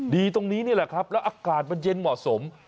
ตรงนี้นี่แหละครับแล้วอากาศมันเย็นเหมาะสม